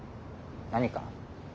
何か？